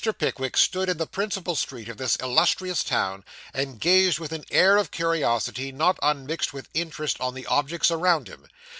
Pickwick stood in the principal street of this illustrious town, and gazed with an air of curiosity, not unmixed with interest, on the objects around him.